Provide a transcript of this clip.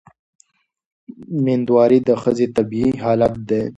مېندواري د ښځې طبیعي حالت دی.